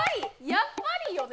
やっぱりよね！